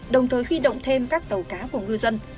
đồng thời huy động thêm các tàu cá của ngư dân